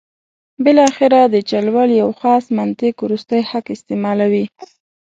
بالاخره د چل ول یو خاص منطق وروستی حق استعمالوي.